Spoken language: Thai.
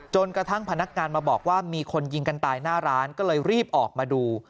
กระทั่งพนักงานมาบอกว่ามีคนยิงกันตายหน้าร้านก็เลยรีบออกมาดู